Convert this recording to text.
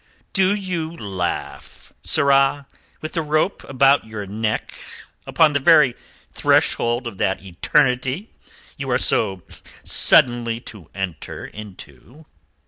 "Do you laugh, sirrah, with the rope about your neck, upon the very threshold of that eternity you are so suddenly to enter into?"